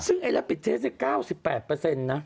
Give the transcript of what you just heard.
ซึ่งไอแล้วปิดเทส๙๘นะ